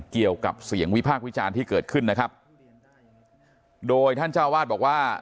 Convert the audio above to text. เกี่ยวกับเสียงวิพากษ์วิจารณ์ที่เกิดขึ้นนะครับโดยท่านเจ้าวาดบอกว่า